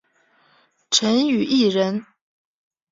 陈与义人。